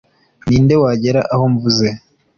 ninde wagera aho mvuze